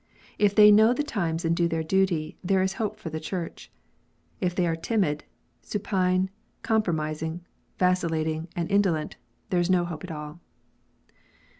If they know the times and do their duty, there is hope for the Church. If they are timid, supine, compromising, vacillating, and indolent, there is no hope at all.